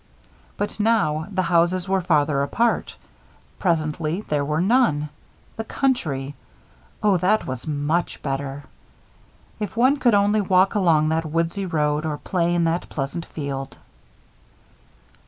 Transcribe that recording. But now the houses were farther apart. Presently there were none. The country Oh, that was much better. If one could only walk along that woodsy road or play in that pleasant field!